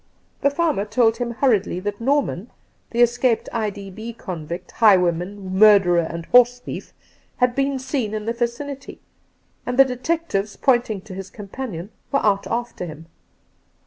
The farmer told him hurriedly that Norman, the escaped I. D. B. convict, highwayman, murderer, and horse thief, had been seen in the vicinity, and the detectives — ^pointing to his companion — were out after him.